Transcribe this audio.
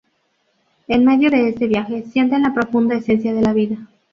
En medio de este viaje, sienten la profunda esencia de la vida.